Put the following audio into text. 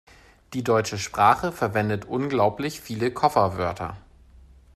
Die deutsche Sprache verwendet unglaublich viele Kofferwörter.